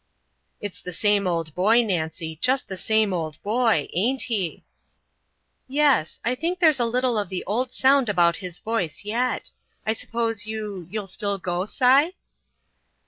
"It's the same old boy, Nancy, jest the same old boy ain't he?" "Yes, I think there's a little of the old sound about his voice yet. I suppose you you'll still go, Si?"